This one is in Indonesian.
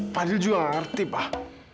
fadil juga nggak ngerti pak